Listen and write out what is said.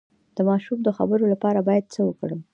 د ماشوم د خبرو لپاره باید څه وکړم؟